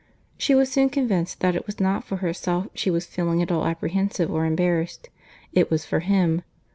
She was soon convinced that it was not for herself she was feeling at all apprehensive or embarrassed; it was for him.